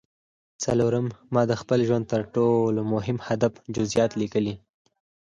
څلورم ما د خپل ژوند د تر ټولو مهم هدف جزييات ليکلي.